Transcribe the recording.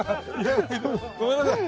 ごめんなさい。